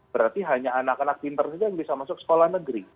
berarti hanya anak anak pinter saja yang bisa masuk sekolah negeri